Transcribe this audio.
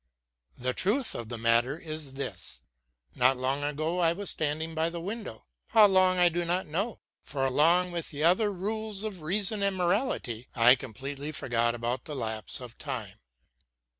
The truth of the matter is this: Not long ago I was standing by the window how long I do not know, for along with the other rules of reason and morality, I completely forgot about the lapse of time.